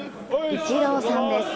イチローさんです。